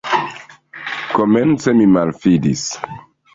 Komence mi malfidis.